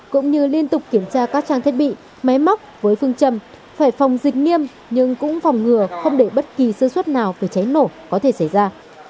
cũng như liên tục kiểm tra các trang thiết bị máy móc với phương châm phải phòng dịch nghiêm nhưng cũng phòng ngừa không để bất kỳ sơ suất nào về cháy nổ có thể xảy ra